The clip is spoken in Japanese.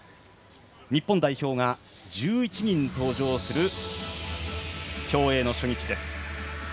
日本代表が１１人登場する競泳の初日です。